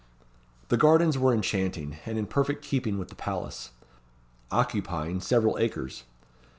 The gardens were enchanting, and in perfect keeping with the palace. Occupying several acres.